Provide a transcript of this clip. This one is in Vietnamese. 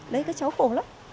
lấy các cháu khổ lắm